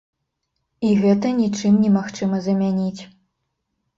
І гэта нічым немагчыма замяніць.